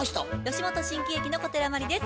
吉本新喜劇の小寺真理です。